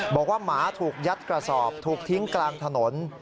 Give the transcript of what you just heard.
หมาถูกยัดกระสอบถูกทิ้งกลางถนน